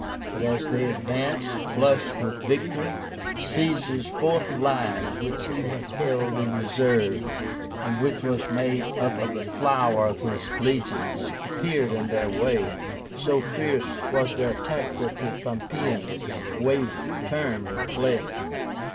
But as they advanced flushed with victory, Caesar's fourth line, which he had held in reserve, and which was made up of the flower of his legions, appeared in their way. So fierce was their attack that the Pompeians wavered, turned, and fled.